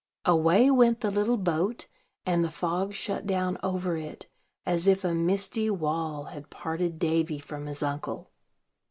Away went the little boat; and the fog shut down over it, as if a misty wall had parted Davy from his uncle.